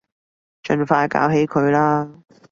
盡快搞起佢啦